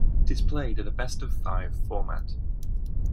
It is played in a best-of-five format.